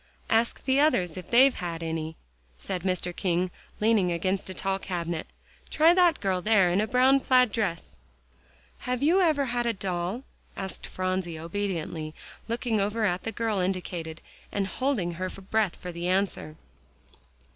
"Ask the others if they have had any," said Mr. King, leaning against a tall cabinet. "Try that girl there in a brown plaid dress." "Have you ever had a doll?" asked Phronsie obediently, looking over at the girl indicated, and holding her breath for the answer.